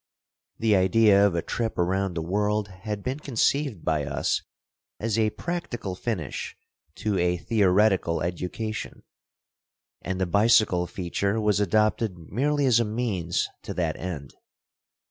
The idea of a trip around the world had been conceived by us as a practical finish to a theoretical education; and the bicycle feature was adopted merely as a means to that end.